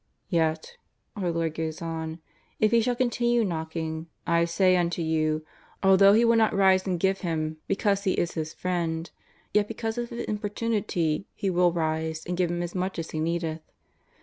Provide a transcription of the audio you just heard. " Yet," our Lord goes on, ''if he shall continue knocking, I say unto you, although he will not rise and give him, be cause he is his friend, yet because of his importunity ie will rise, and give him as many as he needeth.